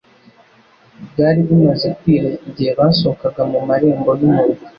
Bwari bumaze kwira igihe basohokaga mu marembo y'umurwa.